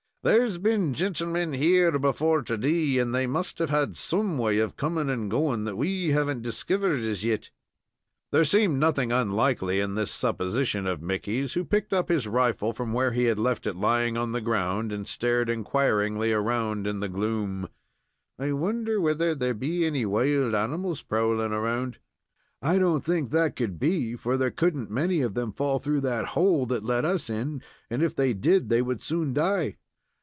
There's been gintlemen here before to day, and they must have had some way of coming and going that we haven't diskivered as yet." There seemed nothing unlikely in this supposition of Mickey's, who picked up his rifle from where he had left it lying on the ground, and stared inquiringly around in the gloom. "I wonder whether there be any wild animals prowling around?" "I don't think that could be; for there couldn't many of them fall through that hole that let us in, and if they did, they would soon die."